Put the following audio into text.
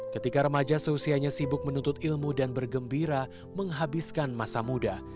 ketika remaja seusianya sibuk menuntut ilmu dan bergembira menghabiskan masa muda